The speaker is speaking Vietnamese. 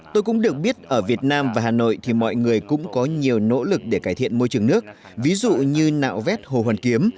tôi cũng được biết ở việt nam và hà nội thì mọi người cũng có nhiều nỗ lực để cải thiện môi trường nước ví dụ như nạo vét hồ hoàn kiếm